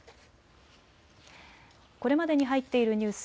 これまでに入っているニュース